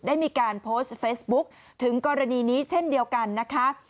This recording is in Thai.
ได้มีการโพสต์เฟซบุ๊คถึงกรณีนี้เช่นเดียวกันนะคะ